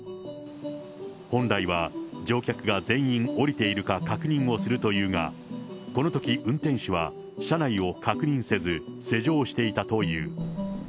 本来は乗客が全員降りているか確認をするというが、このとき運転手は車内を確認せず、施錠していたという。